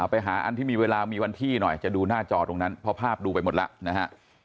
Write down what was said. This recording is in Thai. ไปหาอันที่มีเวลามีวันที่หน่อยจะดูหน้าจอตรงนั้นเพราะภาพดูไปหมดแล้วนะฮะ